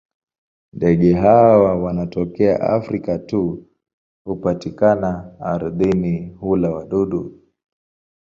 Ndege hawa wanatokea Afrika tu na hupatikana ardhini; hula wadudu.